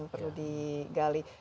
perlu di gali ya